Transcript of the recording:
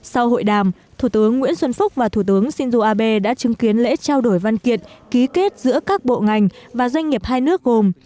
sau hội đàm thủ tướng nguyễn xuân phúc và thủ tướng shinzo abe đã chứng kiến lễ trao đổi văn kiện ký kết giữa các bộ ngành và doanh nghiệp hai nước gồm